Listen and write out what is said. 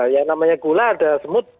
yang namanya gula ada semut